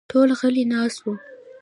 ټول غلي ناست وو.